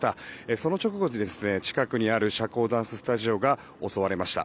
その直後に、近くにある社交ダンススタジオが襲われました。